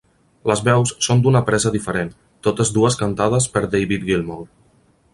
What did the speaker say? Les veus són d'una presa diferent, totes dues cantades per David Gilmour.